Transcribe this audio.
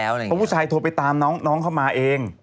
เพราะผู้ชายโทรไปตามน้องเข้ามาเอง